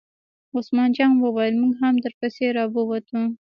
عثمان جان وویل: موږ هم در پسې را ووتو.